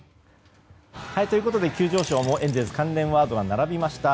ということで、急上昇もエンゼルス関連ワードが並びました。